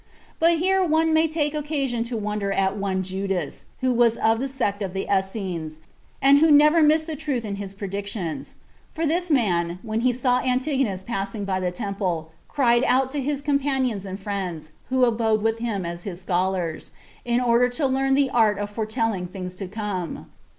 But here one may take occasion to wonder at one Judas, who was of the sect of the Essens, 31 and who never missed the truth in his predictions; for this man, when he saw Antigonus passing by the temple, cried out to his companions and friends, who abode with him as his scholars, in order to learn the art of foretelling things to come?